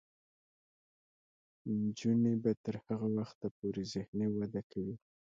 نجونې به تر هغه وخته پورې ذهني وده کوي.